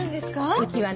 うちはね